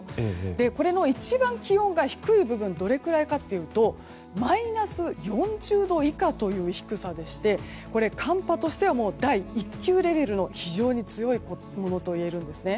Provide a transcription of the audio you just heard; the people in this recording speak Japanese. これの一番気温が低い部分どれくらいかというとマイナス４０度以下という低さでしてこれ、寒波としては第一級レベルの非常に強いものだといえます。